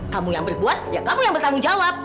kamu yang berbuat ya kamu yang bertanggung jawab